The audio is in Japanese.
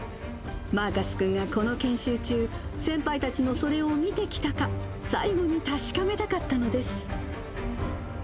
マーカス君がこの研修中、先輩たちのそれを見てきたか、最後に確かめたかったのです。